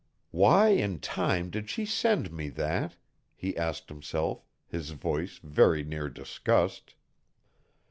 "Why in time did she send me that?" he asked himself, his voice very near disgust.